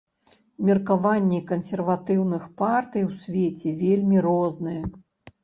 Меркаванні кансерватыўных партый у свеце вельмі розныя.